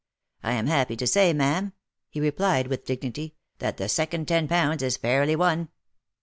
" I am happy to say, ma'am," he replied, with dignity, "that the second ten pounds is fairly won."